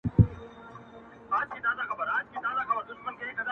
څوک و یوه او څوک وبل ته ورځي,